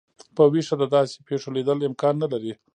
په ویښه د داسي پیښو لیدل امکان نه لري.